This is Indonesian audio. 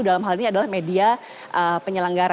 dalam hal ini adalah media penyelenggara